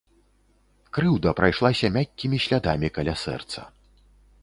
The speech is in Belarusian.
Крыўда прайшлася мяккімі слядамі каля сэрца.